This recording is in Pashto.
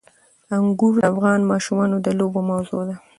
انګور د افغان ماشومانو د لوبو موضوع ده.